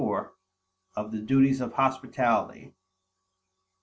_Of the Duties of Hospitality.